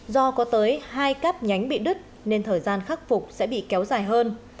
do có tới hai cáp nhánh bị đứt nên thời gian khắc phục sẽ bị kéo dài hơn